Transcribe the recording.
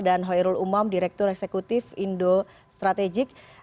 dan hoirul umam direktur eksekutif indo strategik